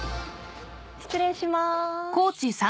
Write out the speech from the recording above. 失礼しまーす。